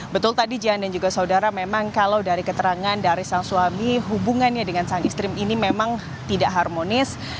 betul tadi jan dan juga saudara memang kalau dari keterangan dari sang suami hubungannya dengan sang istri ini memang tidak harmonis